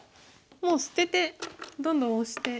もう捨ててどんどんオシてきます。